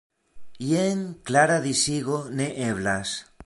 Jen klara disigo ne eblas.